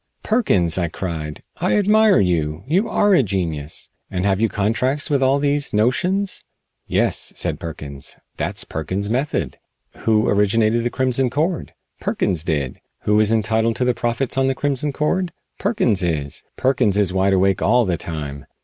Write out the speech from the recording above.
"Perkins!" I cried, "I admire you. You are a genius. And have you contracts with all these notions?" "Yes," said Perkins, "that's Perkins' method. Who originated the Crimson Cord? Perkins did. Who is entitled to the profits on the Crimson Cord? Perkins is. Perkins is wide awake all the time.